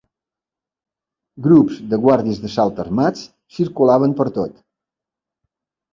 Grups de guàrdies d'assalt armats circulaven pertot